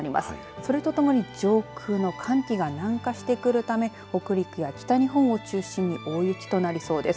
それと共に上空の寒気が南下してくるため北陸や北日本を中心に大雪となりそうです。